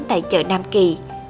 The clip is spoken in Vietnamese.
tại chợ nam kỳ